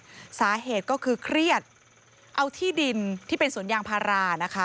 สาเหตุก็คือเครียดเอาที่ดินที่เป็นสวนยางพารานะคะ